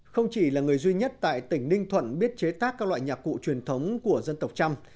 không chỉ là người duy nhất tại tỉnh ninh thuận biết chế tác các loại nhạc cụ truyền thống của dân tộc trăm